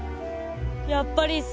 やっぱりさ。